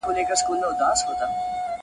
زه زړېږم او یاران مي یو په یو رانه بیلیږي٫